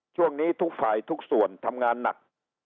ช่วงนี้ทุกฝ่ายทุกส่วนทำงานหนัก